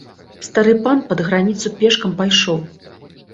Стары пан пад граніцу пешкам пайшоў.